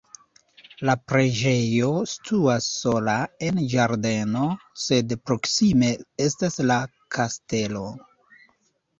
La preĝejo situas sola en ĝardeno, sed proksime estas la kastelo.